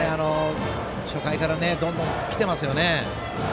初回からどんどんきてますよね。